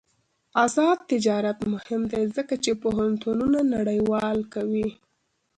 آزاد تجارت مهم دی ځکه چې پوهنتونونه نړیوال کوي.